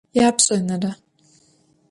Yapş'enere.